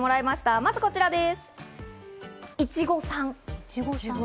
まずこちらです。